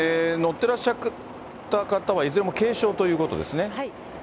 てらっしゃった方はいずれも軽傷ということですね。